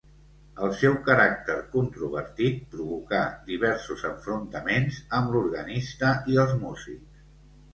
El seu caràcter controvertit provocà diversos enfrontaments amb l’organista i els músics.